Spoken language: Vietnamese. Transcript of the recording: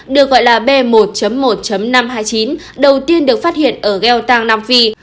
được gọi là b một một năm trăm hai mươi chín đầu tiên được phát hiện ở geotang nam phi